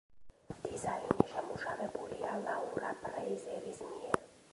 დიზაინი შემუშავებულია ლაურა ფრეიზერის მიერ.